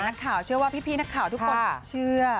นักข่าวเชื่อว่าพี่นักข่าวทุกคนเชื่อ